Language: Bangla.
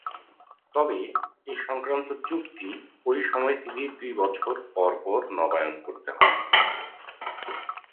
তবে এ সংক্রান্ত চুক্তি ওই সময় থেকেই দু বছর পরপর নবায়ন করতে হয়।